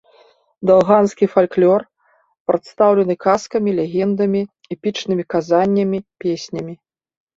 Далганскі фальклор прадстаўлены казкамі, легендамі, эпічнымі казаннямі, песнямі.